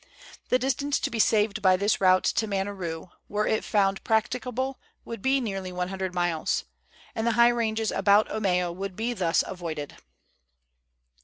The distance to be saved by this route to Maneroo, were it found practicable, would be nearly 100 miles ; and the high ranges about Omeo would be thus avoided.